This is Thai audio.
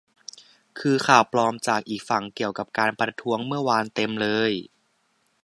คือข่าวปลอมจากอีกฝั่งเกี่ยวกับการประท้วงเมื่อวานเต็มเลย